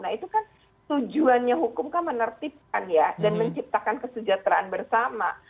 nah itu kan tujuannya hukum kan menertibkan ya dan menciptakan kesejahteraan bersama